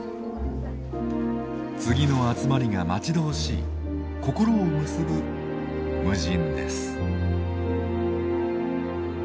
次の集まりが待ち遠しい心を結ぶ無尽です。